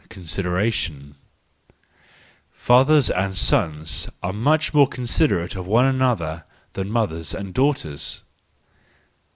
Consideration, —Fathers and sons are much more considerate of one another than mothers and daughters.